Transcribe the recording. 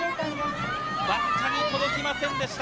わずかに届きませんでした。